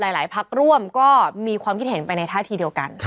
หลายพักร่วมก็มีความคิดเห็นไปในท่าทีเดียวกัน